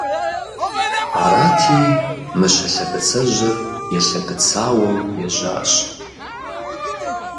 Арати, Мыщэ лъэбыцэжьыр елъэбыцыуэу ежьащ.